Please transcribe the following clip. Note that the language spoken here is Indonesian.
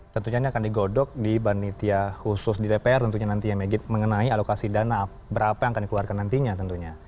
tentunya ini akan digodok di panitia khusus di dpr tentunya nantinya megit mengenai alokasi dana berapa yang akan dikeluarkan nantinya tentunya